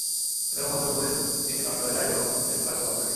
এদের মধ্যে ওপরের তিনটি নষ্ট হয়ে যায় এবং নিচেরটি কার্যকর থাকে।